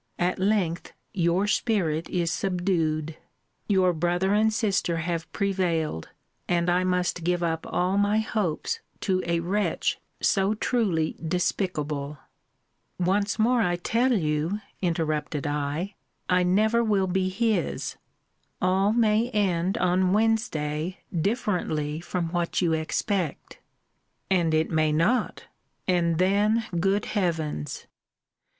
At length your spirit is subdued! Your brother and sister have prevailed; and I must give up all my hopes to a wretch so truly despicable Once more I tell you, interrupted I, I never will be his all may end on Wednesday differently from what you expect And it may not! And then, good heavens!